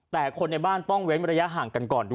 แต่คนในบ้านต้องเว้นระยะห่างกันก่อน